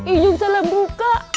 inyung salah buka